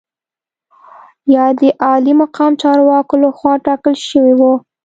یا د عالي مقام چارواکو لخوا ټاکل شوي وو.